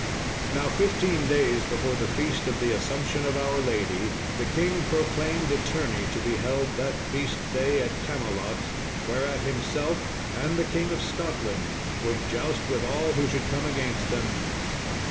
Now fifteen days before the Feast of the Assumption of our Lady, the king proclaimed a tourney to be held that feast day at Camelot, whereat himself and the King of Scotland would joust with all who should come against them.